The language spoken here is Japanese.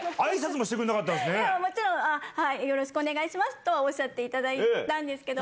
「よろしくお願いします」とはおっしゃっていただいたけど。